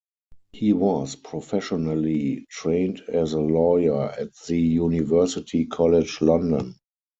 He was professionally trained as a lawyer at the University College London.